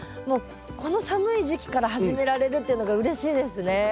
もうこの寒い時期から始められるっていうのがうれしいですね。